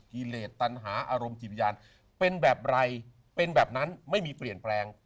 กิเลสตันหาอารมณ์จิตวิญญาณเป็นแบบไรเป็นแบบนั้นไม่มีเปลี่ยนแปลง